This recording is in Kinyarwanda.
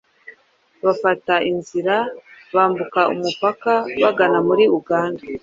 bafata inzira bambuka umupaka bagana muri Uganda.